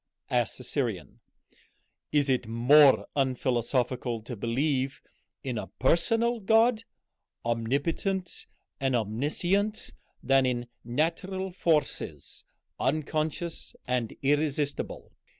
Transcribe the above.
asked the Syrian. "Is it more unphilosophical to believe in a personal God, omnipotent and omniscient, than in natural forces unconscious and irresistible?